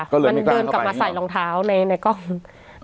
มันเดินกลับมาใส่รองเท้าในกล้อง